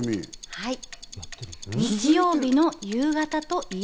はい。